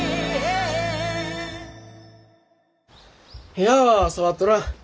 部屋は触っとらん。